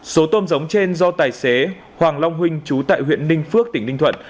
số tôm giống trên do tài xế hoàng long huynh chú tại huyện ninh phước tỉnh ninh thuận